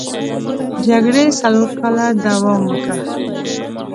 جګړې څلور کاله دوام وکړ.